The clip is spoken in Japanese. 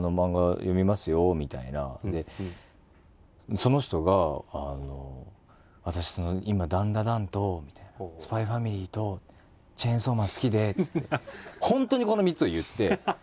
でその人が「私今『ダンダダン』と『ＳＰＹ×ＦＡＭＩＬＹ』と『チェンソーマン』好きで」っつって。本当にこの３つを言って。